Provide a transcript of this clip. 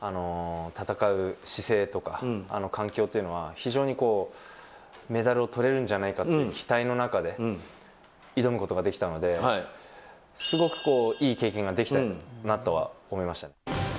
戦う姿勢とか、あの環境というのは、非常にメダルをとれるんじゃないかっていう期待の中で挑むことができたので、すごくこういい経験ができたなとは思いました。